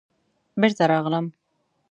بېرته راغلم.